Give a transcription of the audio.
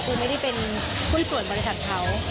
คือไม่ได้เป็นหุ้นส่วนบริษัทเขา